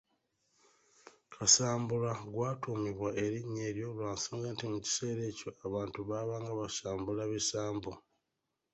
Kasambula gwatuumibwa erinnya eryo lwa nsonga nti mu kiseera ekyo abantu baabanga basambula bisambu.